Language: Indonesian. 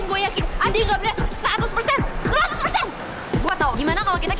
gue gendut ataupun gue kurus